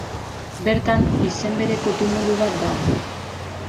Bertan, izen bereko tumulu bat dago.